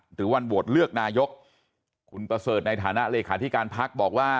หรือวันโหวตเลือกนายกคุณประเสริฐในฐานะเลขาธิการพักบอกว่า